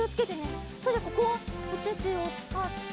それじゃあここはおててをつかって。